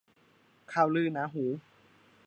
ข่าวลือหนาหู